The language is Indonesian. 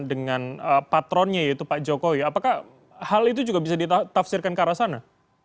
dengan patronnya yaitu pak jokowi apakah hal itu juga bisa ditafsirkan ke arah sana